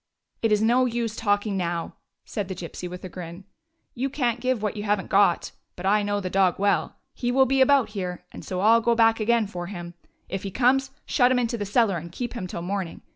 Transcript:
" It is no use talking now," said the Gypsy with a grin. " You can't give what you have n't got. But I know the dog well. He will be about here, and so I 'll be back again for him. If he comes, shut him into the cellar and keep him till the morning.